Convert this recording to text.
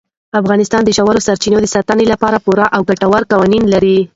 افغانستان د ژورې سرچینې د ساتنې لپاره پوره او ګټور قوانین لري.